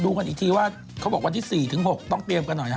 กันอีกทีว่าเขาบอกวันที่๔๖ต้องเตรียมกันหน่อยฮะ